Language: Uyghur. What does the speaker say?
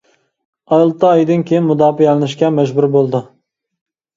ئالتە ئايدىن كېيىن مۇداپىئەلىنىشكە مەجبۇر بولىدۇ.